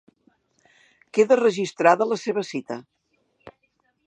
Queda registrada la seva cita.